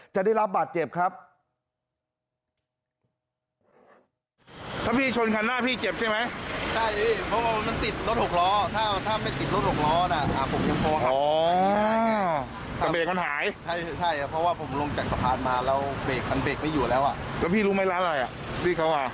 จะได้รับบาดเจ็บครับ